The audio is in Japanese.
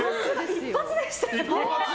一発でしたね。